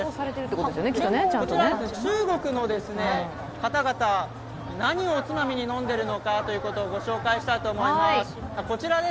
こちら、中国の方々何をおつまみに飲んでいるのかということをご紹介したいと思います。